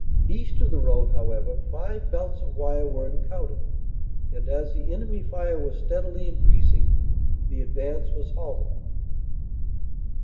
East of the road, however, five belts of wire were encountered, and, as the enemy fire was steadily increasing, the advance was halted.